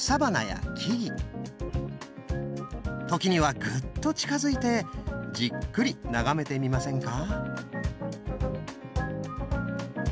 時にはグッと近づいてじっくり眺めてみませんか。